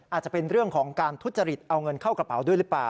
อาจจะเป็นเรื่องของการทุจริตเอาเงินเข้ากระเป๋าด้วยหรือเปล่า